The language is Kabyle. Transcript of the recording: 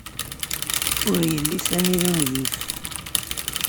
Ur yelli Sami d ungif.